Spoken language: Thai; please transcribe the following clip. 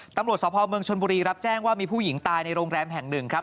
ตำรวจสภเมืองชนบุรีรับแจ้งว่ามีผู้หญิงตายในโรงแรมแห่งหนึ่งครับ